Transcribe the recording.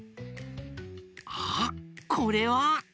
あっこれは！